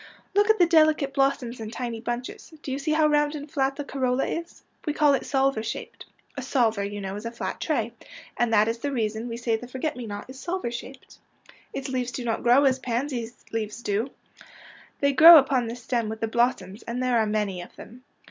'' Look at the delicate blossoms in tiny bunches. Do you see how round and flat the corolla is? We call it salver shaped. A salver, you know, is a flat tray — and that is the reason we say the forget me not is salver shaped. '' Its leaves do not grow as pansy leaves do. They grow upon the stem with the blos soms, and there are many of them.